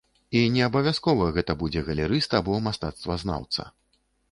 І неабавязкова гэта будзе галерыст або мастацтвазнаўца.